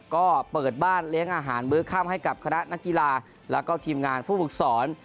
ก็เปิดบ้านเลี้ยงอาหารมือข้ามให้คานะนกีฬาแล้วก็ทีมงานผู้ปฏิศาสตร์